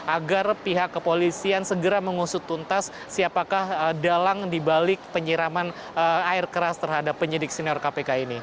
agar pihak kepolisian segera mengusut tuntas siapakah dalang dibalik penyiraman air keras terhadap penyidik senior kpk ini